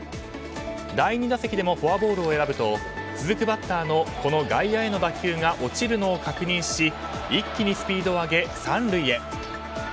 第２打席でもフォアボールを選ぶと続くバッターの外野への打球が落ちるのを確認し一気にスピードを上げ、３塁へ。